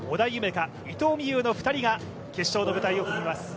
海伊藤美優の２人が決勝の舞台を踏みます。